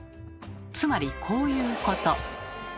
つまりこういうこと。